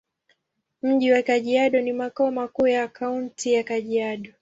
Mji wa Kajiado ni makao makuu ya Kaunti ya Kajiado.